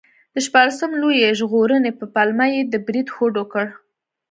د شپاړسم لویي ژغورنې په پلمه یې د برید هوډ وکړ.